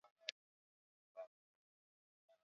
Unaghairi mabaya